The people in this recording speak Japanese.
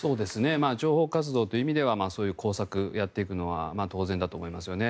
情報活動という意味ではそういう工作をやっていくのは当然だと思いますよね。